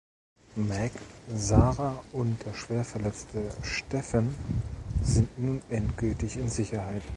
Meg, Sarah und der schwer verletzte Stephen sind nun endgültig in Sicherheit.